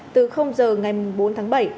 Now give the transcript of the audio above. từ h ngày bốn tháng bảy